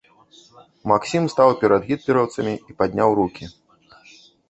Максім стаў перад гітлераўцамі і падняў рукі.